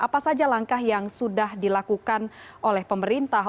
apa saja langkah yang sudah dilakukan oleh pemerintah